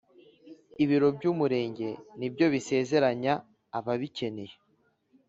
ibiro by’umurenge ni byo bisezeranya ababikeneye.